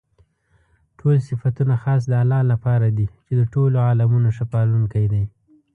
ټول صفتونه خاص د الله لپاره دي چې د ټولو عالَمونو ښه پالونكى دی.